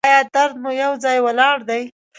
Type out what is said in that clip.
ایا درد مو یو ځای ولاړ دی؟